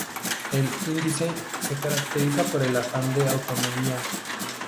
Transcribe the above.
El "indie" se caracteriza por el afán de "autonomía".